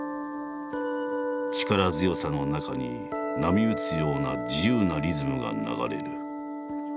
力強さの中に波打つような自由なリズムが流れる。